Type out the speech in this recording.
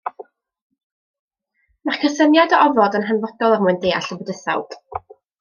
Mae'r cysyniad o ofod yn hanfodol er mwyn deall y bydysawd.